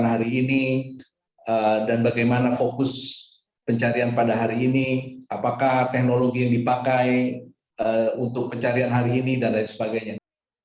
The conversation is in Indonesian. status pencarian eril telah menyebut